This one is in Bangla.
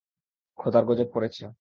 খোদার গজব পড়েছে!